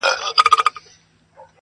یو تر بله یې په ساندوکي سیالي وه -